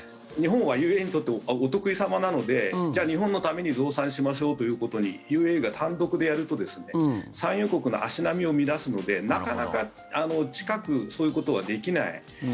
日本はＵＡＥにとってお得意様なのでじゃあ、日本のために増産しましょうということにＵＡＥが単独でやると産油国の足並みを乱すのでなかなか近く、そういうことはできない。